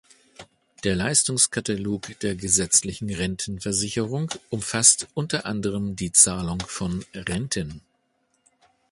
Der Leistungskatalog der gesetzlichen Rentenversicherung umfasst unter anderem die Zahlung von Renten.